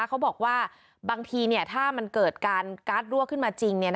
เขาบอกว่าบางทีถ้ามันเกิดการการ์ดรั่วขึ้นมาจริง